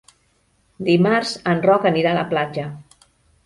Dimarts en Roc anirà a la platja.